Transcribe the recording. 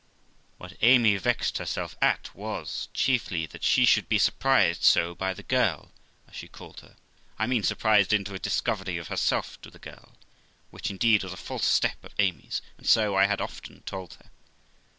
What Amy vexed herself at was, chiefly, that she should be surprised THE LIFE OF ROXANA 36! so by the girl, as she called her; I mean surprised into a discovery of herself to the girl ; which indeed was a false step of Amy's, and so I had often told her.